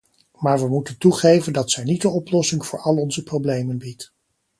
Maar we moeten toegeven dat zij niet de oplossing voor al onze problemen biedt.